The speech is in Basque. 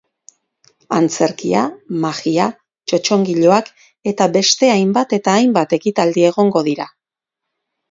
Antzerkia, magia, txotxongiloak eta beste hainbat eta hainbat ekitaldi egongo dira.